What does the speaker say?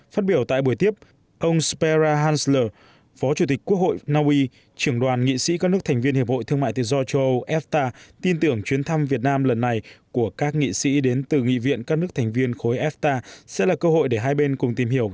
phát biểu tại buổi tiếp ông spera hansler phó chủ tịch quốc hội naui trưởng đoàn nghị sĩ các nước thành viên hiệp hội thương mại tự do châu âu efta tin tưởng chuyến thăm việt nam lần này của các nghị sĩ đến từ nghị viện các nước thành viên khối efta sẽ là cơ hội để hai bên cùng tìm hiểu